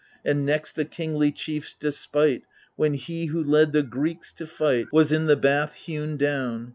And next the kingly chief's despite, When he who led the Greeks to fight Was in the bath hewn down.